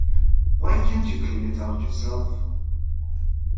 Why can't you clean it out yourselves?